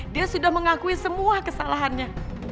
dia sudah mengakui semua kesalahannya